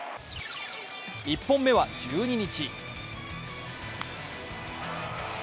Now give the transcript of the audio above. １本目は１２日。